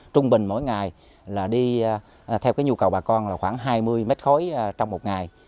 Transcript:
trung bình mỗi ngày là đi theo nhu cầu bà con khoảng hai mươi mét khối trong một ngày